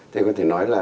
thế có thể nói là